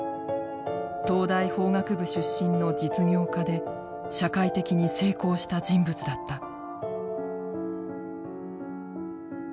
東大法学部出身の実業家で社会的に成功した人物だった。